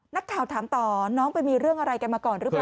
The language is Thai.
นักข่าวถามต่อน้องไปมีเรื่องอะไรกันมาก่อนหรือเปล่า